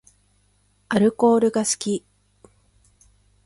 アルコールが好き